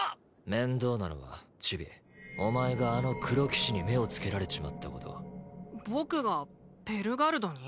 面倒なのはチビお前があの黒騎士に目をつけられちまったこと僕がペルガルドに？